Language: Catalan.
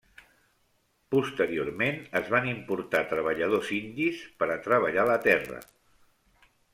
Posteriorment es van importar treballadors indis per a treballar la terra.